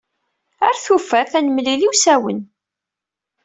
Ar tufat, ad nemlil iwsawen.